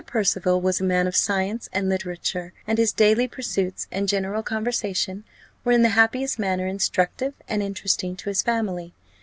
Percival was a man of science and literature, and his daily pursuits and general conversation were in the happiest manner instructive and interesting to his family.